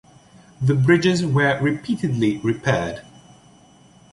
The bridges were repeatedly repaired.